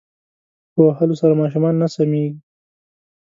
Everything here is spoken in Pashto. په وهلو سره ماشومان نه سمیږی